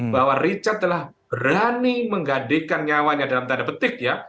bahwa richard telah berani menggadekan nyawanya dalam tanda petik ya